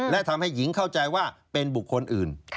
และทำให้หญิงเข้าใจว่าเป็นบุคคลอื่น